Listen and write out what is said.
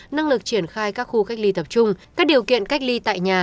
năng lực triển khai các khu cách ly tập trung các điều kiện cách ly tại nhà